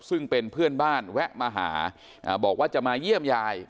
ซึ่งเป็นเพื่อนบ้านแวะมาหาบอกว่าจะมาเยี่ยมยาย